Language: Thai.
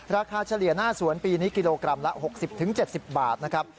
เฉลี่ยหน้าสวนปีนี้กิโลกรัมละ๖๐๗๐บาทนะครับ